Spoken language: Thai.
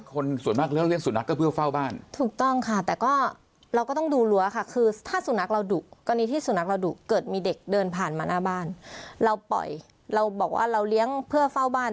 คนส่วนมากเลี้ยงส่วนนักก็เพื่อเฝ้าบ้าน